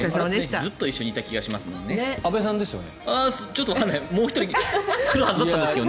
ずっと一緒にいた気がしますよね。